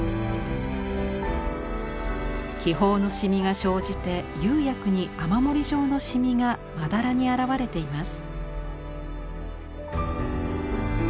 気泡のしみが生じて釉薬に雨漏り状のシミがまだらにあらわれています。